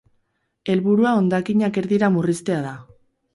Helburua hondakinak erdira murriztea da.